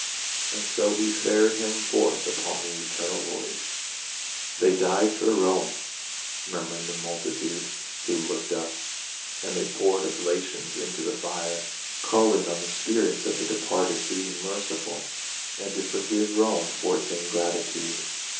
And so he fared him forth upon the eternal voyage. " They died for Rome !" murmured the multitude who looked on, and they poured oblations into the fire, calling on the spirits of the departed to be merci ful, and to forgive Rome for its ingratitude.